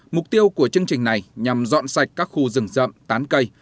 mục tiêu của chương trình này nhằm dọn sạch các khu rừng rậm tán cây